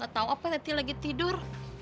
gatau apa teti lagi tidur